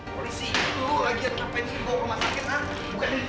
polisi itu lagi yang ngapain sih bawa ke masyarakat